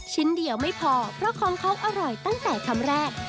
เดียวไม่พอเพราะของเขาอร่อยตั้งแต่คำแรก